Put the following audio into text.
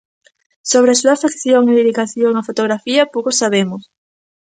Sobre a súa afección e dedicación á fotografía pouco sabemos.